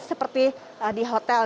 seperti di hotel